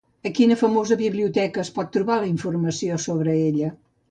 A quina famosa biblioteca es pot trobar informació sobre ella?